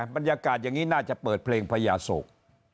บรรยากาศอย่างนี้น่าจะเปิดเพลงพญาโศก